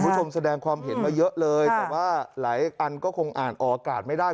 คุณผู้ชมแสดงความเห็นมาเยอะเลยแต่ว่าหลายอันก็คงอ่านออกอากาศไม่ได้